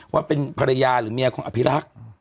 ว่าเป็นภรรยาหรือเมียของอภิรักษ์